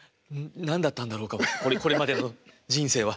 何だったんだろうか俺これまでの人生は。